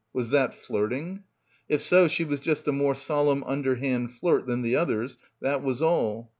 Was that flirting? If so she was just a more solemn underhand flirt than the others, that was all.